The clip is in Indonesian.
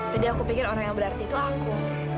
aku pikir orang yang berarti itu aku